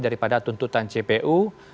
daripada tuntutan jpu